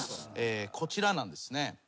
こちらなんですね。